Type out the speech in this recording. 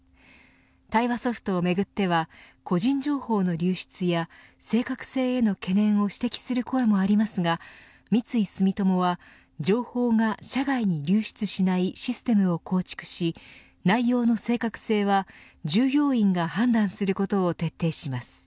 対話ソフトをめぐっては個人情報の流失や正確性への懸念を指摘する声もありますが三井住友は情報が社外に流出しないシステムを構築し内容の正確性は従業員が判断することを徹底します。